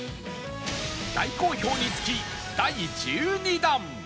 大好評につき第１２弾